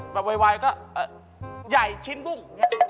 ไวก็ใหญ่ชิ้นบุ้ง